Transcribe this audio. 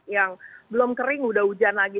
yang belum kering udah hujan lagi